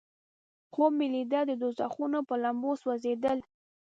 خوب مې لیده د دوزخونو په لمبو سوځیدل.